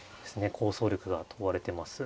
構想力が問われてます。